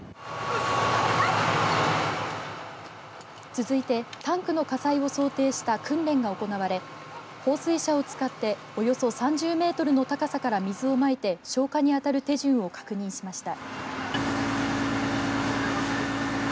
続いてタンクの火災を想定した訓練が行われ放水車を使っておよそ３０メートルの高さから水をまいて消火に当たる手順を確認しました。